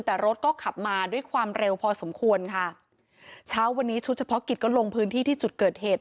แต่รถก็ขับมาด้วยความเร็วพอสมควรค่ะเช้าวันนี้ชุดเฉพาะกิจก็ลงพื้นที่ที่จุดเกิดเหตุ